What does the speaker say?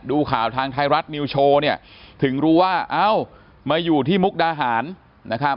ดูข่าวทางไทยรัฐนิวโชว์เนี่ยถึงรู้ว่าเอ้ามาอยู่ที่มุกดาหารนะครับ